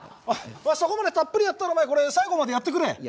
そこまでたっぷりやったらこれ最後までやってくれ！